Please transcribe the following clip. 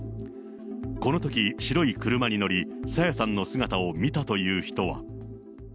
このとき、白い車に乗り、朝芽さんの姿を見たという人は。